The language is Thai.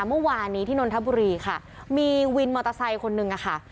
เมื่อวานนี้ที่นนทบุรีค่ะมีวินมอเตอร์ไซค์คนนึงอะค่ะ